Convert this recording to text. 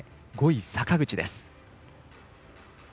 ５位、坂口です。